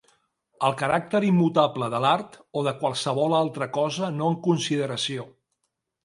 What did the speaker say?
El caràcter immutable de l'art o de qualsevol altra cosa no en consideració.